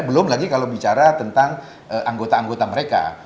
belum lagi kalau bicara tentang anggota anggota mereka